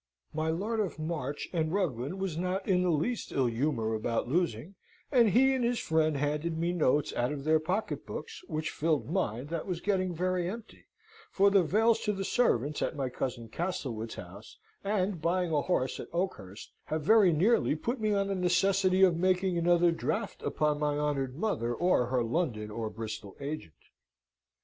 My Lord of March and Ruglen was not in the least ill humour about losing, and he and his friend handed me notes out of their pocket books, which filled mine that was getting very empty, for the vales to the servants at my cousin Castlewood's house and buying a horse at Oakhurst have very nearly put me on the necessity of making another draft upon my honoured mother or her London or Bristol agent."